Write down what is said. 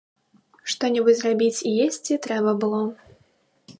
Што-небудзь рабіць і есці трэба было.